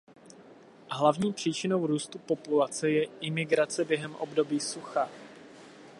Hlavní příčinou růstu populace je imigrace během období sucha.